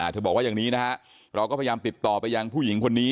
บอกว่าอย่างนี้นะฮะเราก็พยายามติดต่อไปยังผู้หญิงคนนี้